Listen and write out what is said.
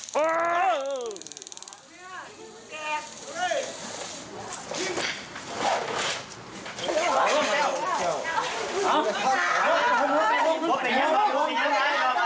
โปรดติดตามตอนต่อไป